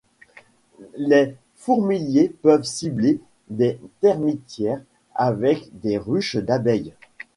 Les fourmiliers peuvent cibler des termitières avec des ruches d'abeilles.